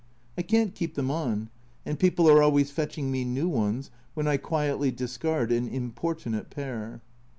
I can't keep them on, and people are always fetching me new ones when I quietly discard an importunate pair.